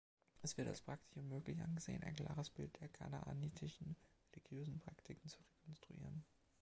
Es wird als praktisch unmöglich angesehen, ein klares Bild der kanaanitischen religiösen Praktiken zu rekonstruieren.